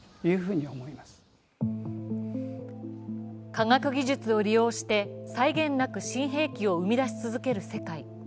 科学技術を利用して際限なく新兵器を生み出し続ける世界。